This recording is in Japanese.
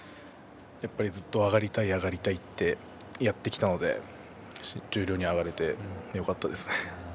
やっぱりずっと上がりたい、上がりたいってやってきたので十両に上がれてよかったですね。